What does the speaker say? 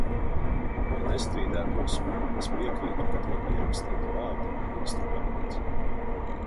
"Lai nestrīdētos, es piekrītu, ka tiek ierakstīti vārdi "Ministru kabinets"."